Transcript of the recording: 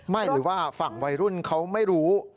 หรือว่าฝั่งวัยรุ่นเขาไม่รู้